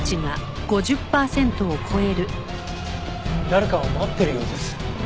誰かを待ってるようです。